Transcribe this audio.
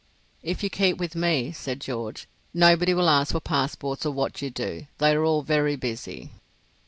"If you keep with me," said George, "nobody will ask for passports or what you do. They are all very busy."